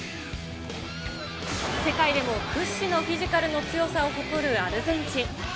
世界でも屈指のフィジカルの強さを誇るアルゼンチン。